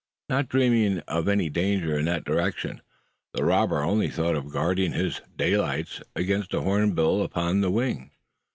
Not dreaming of any danger in that direction, the robber only thought of guarding his "daylights" against the hornbill upon the wing.